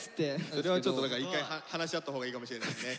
それはちょっとだから一回話し合ったほうがいいかもしれないね。